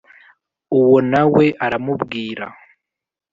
Uwo na we aramubwira .